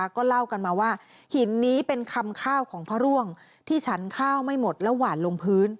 ก็เล่ากันมาว่าหินนี้เป็นคำข้าวของพระร่วงที่ฉันข้าวไม่หมดแล้วหวานลงพื้น